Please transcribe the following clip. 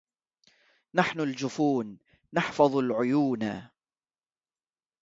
نحن الجفون نحفظ العيونا